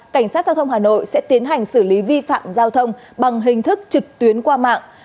cảnh sát giao thông hà nội sẽ tiến hành xử lý vi phạm giao thông bằng hình thức trực tuyến qua mạng